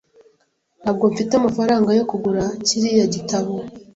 Ntabwo mfite amafaranga yo kugura kiriya gitabo .